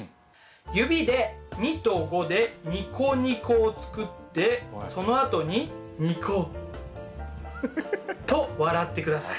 指で２と５でニコニコを作ってそのあとにニコッ。と笑って下さい。